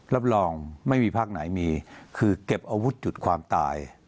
รับรองไม่มีภาคไหนมีคือเก็บอาวุธจุดความตาย